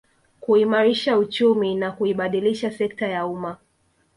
Kuimarisha uchumi na kuibadilisha sekta ya umma